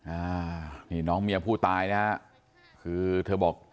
อ่านี่น้องเมียผู้ตายนะฮะคือเธอบอก